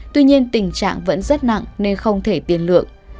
tuy nhiên tình trạng vẫn rất nặng nên không thể tiền lượng